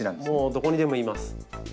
どこにでもいます。